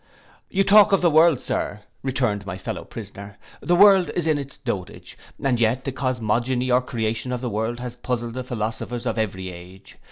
'You talk of the world, Sir,' returned my fellow prisoner; '_the world is in its dotage, and yet the cosmogony or creation of the world has puzzled the philosophers of every age.